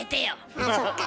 ああそっか。